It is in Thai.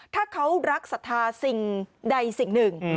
ถ้าเขารักศรัทธาสิ่งใดสิ่งหนึ่ง